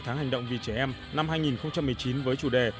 tháng hành động vì trẻ em năm hai nghìn một mươi chín với chủ đề